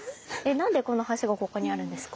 何でこの橋がここにあるんですか？